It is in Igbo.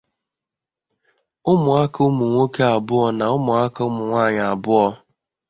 ụmụaka ụmụnwoke abụọ na ụmụaka ụmụnwaanyị abụọ